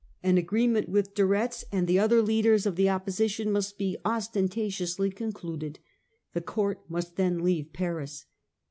An agreement with De Retz and the other leaders of the opposition must be ostentatiously concluded. The court must then leave Paris.